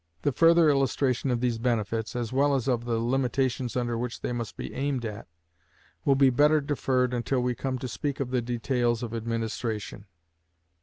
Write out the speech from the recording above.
The further illustration of these benefits, as well as of the limitations under which they must be aimed at, will be better deferred until we come to speak of the details of administration.